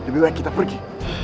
lebih baik kita pergi